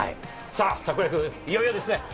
櫻井くん、いよいよですね。